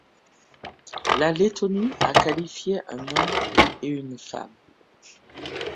La Lettonie a qualifié un homme et une femme.